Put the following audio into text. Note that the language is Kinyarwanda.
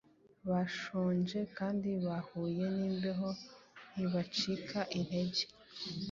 bashonje kandi bahuye n’imbeho ntibacika intege.